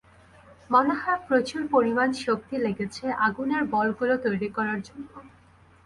মনে হয় প্রচুর পরিমাণ শক্তি লেগেছে, আগুনের বলগুলো তৈরি করার জন্য।